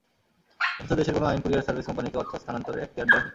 অথচ দেশের কোনো আইন কুরিয়ার সার্ভিস কোম্পানিকে অর্থ স্থানান্তরের এখতিয়ার দেয়নি।